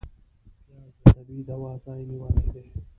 پیاز د طبعي دوا ځای نیولی دی